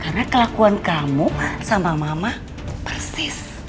karena kelakuan kamu sama mama persis